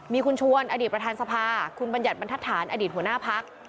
มีคุณชวนอดีตประธานสภาคุณบัญญัติบรรทัศน์อดีตหัวหน้าพัก